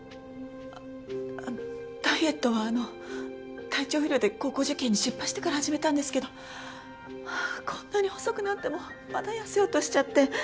ダイエットはあの体調不良で高校受験に失敗してから始めたんですけどこんなに細くなってもまだ痩せようとしちゃって。